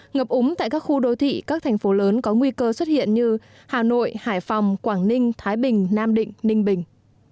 ngập úng tại các khu đô thị các thành phố lớn có nguy cơ xuất hiện như hà nội hải phòng quảng ninh thái bình nam định ninh bình